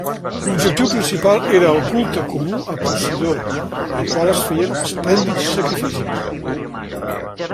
L'objectiu principal era el culte comú a Posidó al que es feien esplèndids sacrificis.